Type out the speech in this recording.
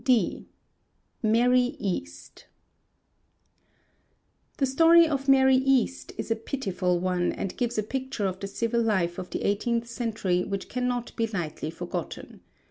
D. MARY EAST The story of Mary East is a pitiful one, and gives a picture of the civil life of the eighteenth century which cannot be lightly forgotten.